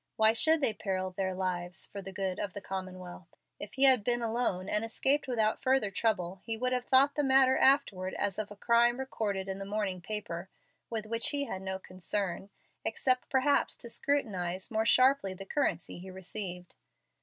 Why should they peril their lives for the good of the commonwealth? If he had been alone and escaped without further trouble, he would have thought of the matter afterward as of a crime recorded in the morning paper, with which he had no concern, except perhaps to scrutinize more sharply the currency he received.